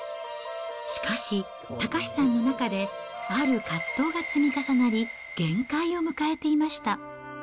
しかし、岳さんの中で、ある葛藤が積み重なり、限界を迎えていました。